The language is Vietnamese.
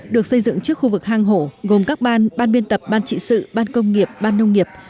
được xây dựng trước khu vực hang hổ gồm các ban ban biên tập ban trị sự ban công nghiệp ban nông nghiệp